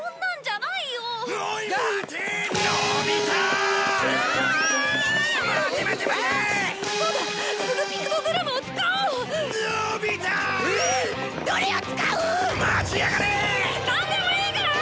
なんでもいいから早く！